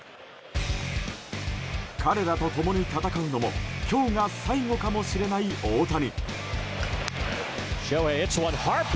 彼らと共に戦うのも今日が最後かもしれない大谷。